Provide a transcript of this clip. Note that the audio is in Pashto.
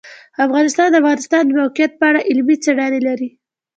افغانستان د د افغانستان د موقعیت په اړه علمي څېړنې لري.